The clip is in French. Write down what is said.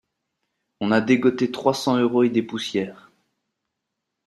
On a dégoté trois cents euros et des poussières